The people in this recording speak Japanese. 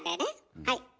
はい。